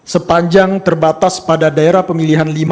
sepanjang terbatas pada daerah pemilihan lima